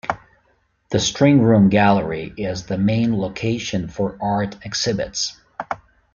The String Room Gallery is the main location for Art Exhibits.